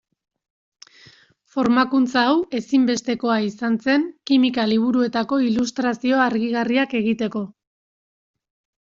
Formakuntza hau ezinbestekoa izan zen kimika liburuetako ilustrazio argigarriak egiteko.